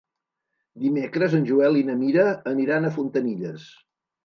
Dimecres en Joel i na Mira aniran a Fontanilles.